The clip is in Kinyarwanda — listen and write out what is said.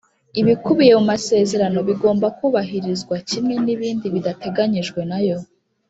Ibikubiye mumasezerano bigomba kubahirizwa kimwe n ibindi bidateganyijwe nayo